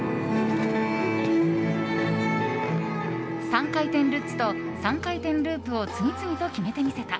３回転ルッツと３回転ループを次々と決めてみせた。